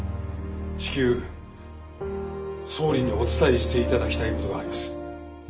至急総理にお伝えしていただきたいことがあります。